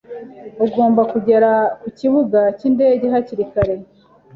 Ugomba kugera ku kibuga cyindege hakiri kare.